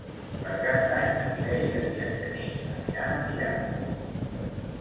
Per Cap d'Any na Mireia i en Genís aniran a Millars.